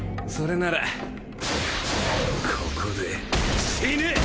それならここで死ね！